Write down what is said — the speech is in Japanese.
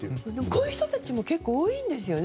こういう人たちも結構多いんですよね。